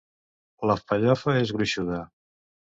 La pellofa és gruixuda.